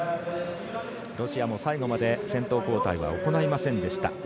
ロシアも最後まで先頭交代は行いませんでした。